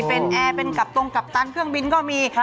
เป็นแอร์เป็นกัปตรงกัปตันเครื่องบินก็มี